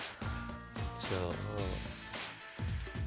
じゃあ。